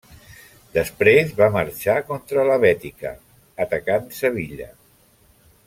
Després va marxar contra la Bètica, atacant Sevilla.